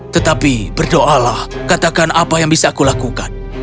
tetapi berdoa lah katakan apa yang bisa aku lakukan